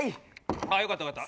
よかったよかった。